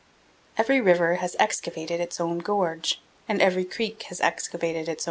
Every river has excavated its own gorge and every creek has excavated its gorge.